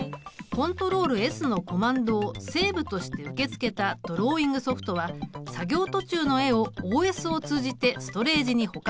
コントロールＳのコマンドをセーブとして受け付けたドローイングソフトは作業途中の絵をＯＳを通じてストレージに保管する。